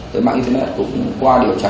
cái mạng internet cũng qua điều tra